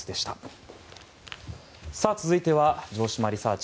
続いては、城島リサーチ！